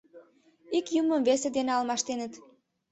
Ик Юмым весе дене алмаштеныт.